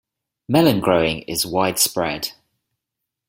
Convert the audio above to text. Melon-growing is widespread.